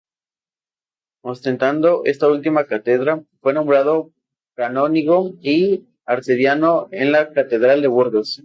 Ostentando esta última cátedra fue nombrado canónigo y arcediano en la catedral de Burgos.